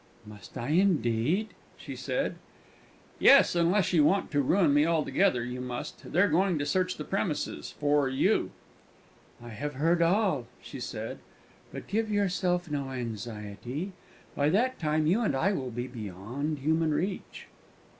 "Must I, indeed?" she said. "Yes, unless you want to ruin me altogether, you must. They're going to search the premises for you!" "I have heard all," she said. "But give yourself no anxiety: by that time you and I will be beyond human reach."